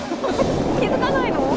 気付かないの？